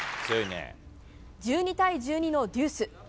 １２対１２のジュース。